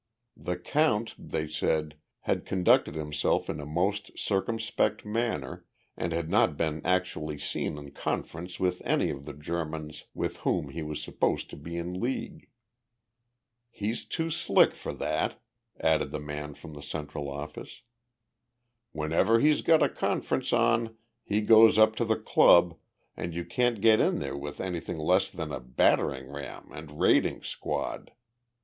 The "count," they said, had conducted himself in a most circumspect manner and had not been actually seen in conference with any of the Germans with whom he was supposed to be in league. "He's too slick for that," added the man from the Central Office. "Whenever he's got a conference on he goes up to the Club and you can't get in there with anything less than a battering ram and raiding squad.